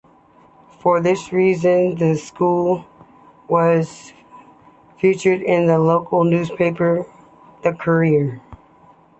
For this reason, the school was featured in the local newspaper "The Courier".